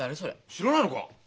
知らないのか？